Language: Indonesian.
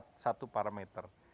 itu satu parameter